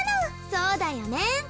そうだよねん。